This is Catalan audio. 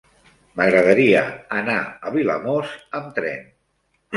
M'agradaria anar a Vilamòs amb tren.